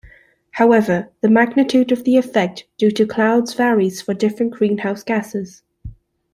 However, the magnitude of the effect due to clouds varies for different greenhouse gases.